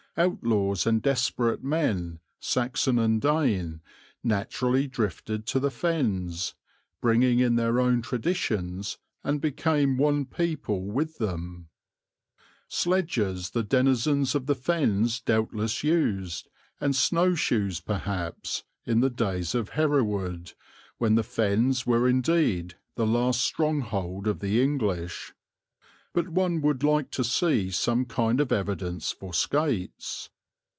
Outlaws and desperate men, Saxon and Dane, naturally drifted to the Fens, bringing in their own traditions, and became one people with them. Sledges the denizens of the Fens doubtless used, and snowshoes perhaps, in the days of Hereward, when the Fens were indeed the last stronghold of the English; but one would like to see some kind of evidence for skates.